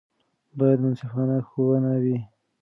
باید منصفانه ښوونه وي.